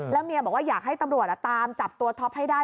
เมียบอกว่าอยากให้ตำรวจตามจับตัวท็อปให้ได้